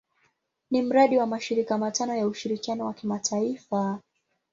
Ni mradi wa mashirika matano ya ushirikiano wa kimataifa.